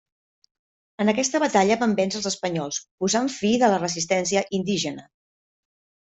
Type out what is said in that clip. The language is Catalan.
En aquesta batalla van vèncer els espanyols posant fi de la resistència indígena.